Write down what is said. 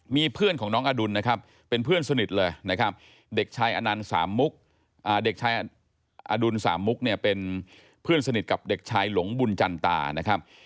มีเพื่อนของน้องอดุลนะครับเป็นเพื่อนสนิทเลยนะครับเด็กชายอนันต์สามมุกเด็กชายอดุลสามมุกเนี่ยเป็นเพื่อนสนิทกับเด็กชายหลงบุญจันตานะครับ